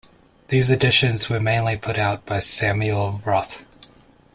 These editions were mainly put out by Samuel Roth.